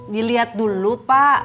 diliat dulu pak